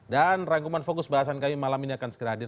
dan rangkuman fokus bahasan kami malam ini akan segera hadir